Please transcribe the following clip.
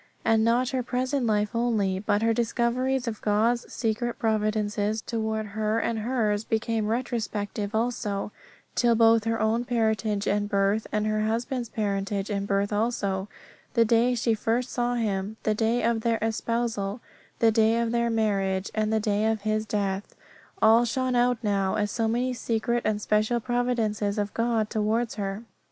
And not her present life only, but her discoveries of God's secret providences towards her and hers became retrospective also, till both her own parentage and birth, her husband's parentage and birth also, the day she first saw him, the day of their espousals, the day of their marriage, and the day of his death, all shone out now as so many secret and special providences of God toward her.